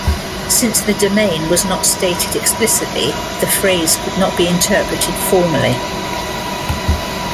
Since the domain was not stated explicitly, the phrase could not be interpreted formally.